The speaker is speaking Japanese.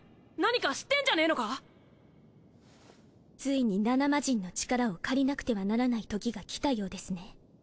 何か知ってんじゃねーのかついに７マジンの力を借りなくてはならない時が来たようですね